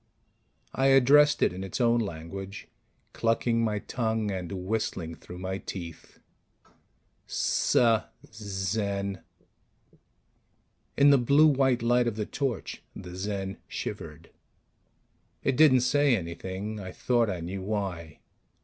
I addressed it in its own language, clucking my tongue and whistling through my teeth: "Suh, Zen " In the blue white light of the torch, the Zen shivered. It didn't say anything. I thought I knew why.